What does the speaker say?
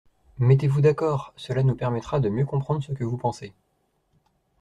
Mettez-vous d’accord, cela nous permettra de mieux comprendre ce que vous pensez.